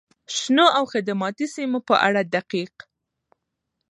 شنو او خدماتي سیمو په اړه دقیق،